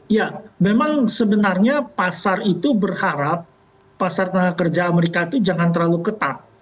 ya memang sebenarnya pasar itu berharap pasar tenaga kerja amerika itu jangan terlalu ketat